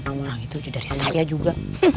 pengulang itu dari saya juga